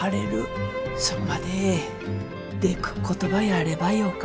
それまででくっことばやればよか。